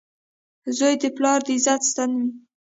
• زوی د پلار د عزت ستن وي.